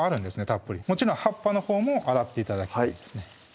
たっぷりもちろん葉っぱのほうも洗って頂きます